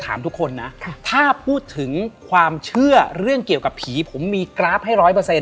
ถ้าพูดถึงความเชื่อเรื่องเกี่ยวกับผีผมมีกราฟให้๑๐๐